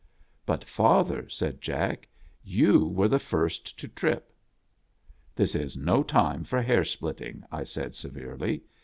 " lint, father," said Jack, " you were the first to trip." " This is no time for hair splitting," I said severely.